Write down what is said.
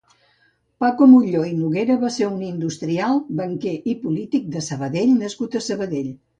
Paco Mutlló i Noguera va ser un industrial, banquer i polític de Sabadell nascut a Sabadell.